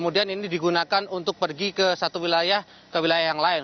ini digunakan untuk pergi ke satu wilayah ke wilayah yang lain